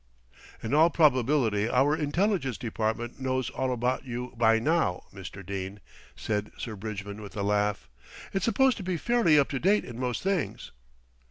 "In all probability our Intelligence Department knows all about you by now, Mr. Dene," said Sir Bridgman with a laugh. "It's supposed to be fairly up to date in most things."